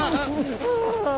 ああ！